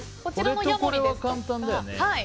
これとこれは簡単だよね。